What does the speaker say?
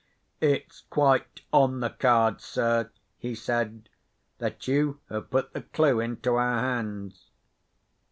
"It's quite on the cards, sir," he said, "that you have put the clue into our hands."